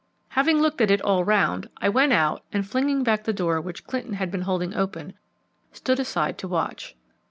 Having looked at it all round, I went out and, flinging back the door which Clinton had been holding open, stood aside to watch.